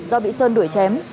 do bị sơn đuổi chém